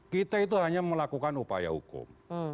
kita itu hanya melakukan upaya hukum